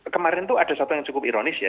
kemarin itu ada satu yang cukup ironis ya